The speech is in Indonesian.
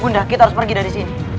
udah kita harus pergi dari sini